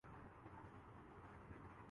یہاں پیمان تسلیم و رضا ایسے نہیں ہوتا